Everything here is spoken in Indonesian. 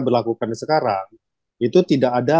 berlakukan sekarang itu tidak ada